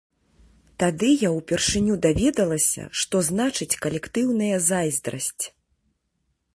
Тады я ўпершыню даведалася, што значыць калектыўная зайздрасць.